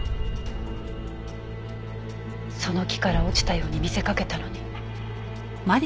その木から落ちたように見せかけたのに。